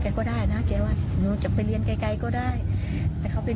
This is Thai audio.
ก็ได้นะแกว่าหนูจะไปเรียนไกลไกลก็ได้ให้เขาเป็น